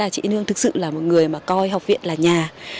chị yên hương thực sự là một người mà coi học viện là nhà